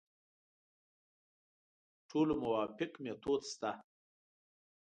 ټولو موافق میتود شته.